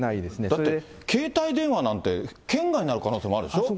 だって携帯電話なんて圏外になる可能性だってあるでしょ。